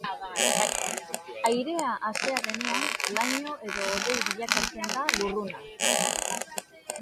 Airea asea denean, laino edo hodei bilakatzen da lurruna.